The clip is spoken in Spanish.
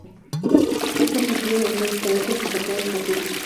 Estos incluyen los tres esqueletos encontrados por Phillips.